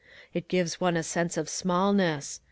It gives one a sense of smallness.